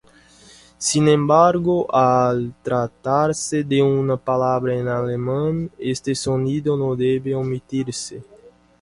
Sin embargo, al tratarse de una palabra en alemán, este sonido no debe omitirse.